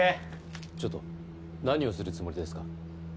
ちょっと何をするつもりですか？